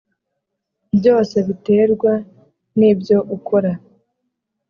byose biterwa nibyo ukora